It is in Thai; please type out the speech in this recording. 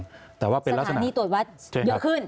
สถานีตรวจวัดเยอะขึ้น